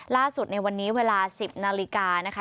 ล่าสุดในวันนี้เวลาสิบนาฬิกานะคะ